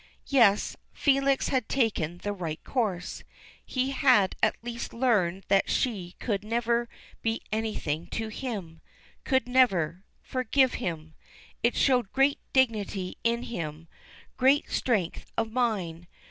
Yes, Felix had taken the right course; he had at least learned that she could never be anything to him could never forgive him. It showed great dignity in him, great strength of mind.